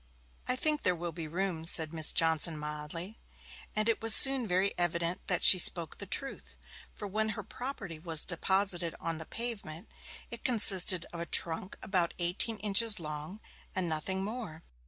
'I think there will be room,' said Miss Johnson mildly. And it was soon very evident that she spoke the truth; for when her property was deposited on the pavement, it consisted of a trunk about eighteen inches long, and nothing more.